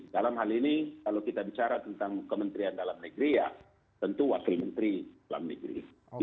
dalam hal ini kalau kita bicara tentang kementerian dalam negeri ya tentu wakil menteri dalam negeri